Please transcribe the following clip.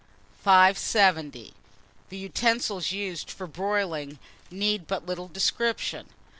570. THE UTENSILS USED FOR BROILING need but little description.